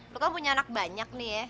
lu kan punya anak banyak nih ya